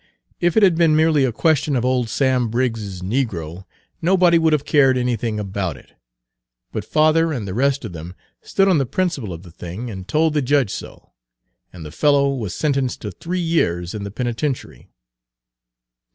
If it had been merely a question of old Sam Briggs's negro, nobody would have cared anything about it. But father and the rest of them stood on the principle of the thing, and told the judge so, and the fellow was sentenced to three years in the penitentiary."